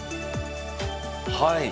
はい。